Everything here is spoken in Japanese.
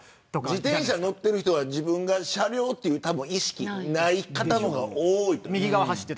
自転車に乗っている人は自分が車両という意識がない方が多い。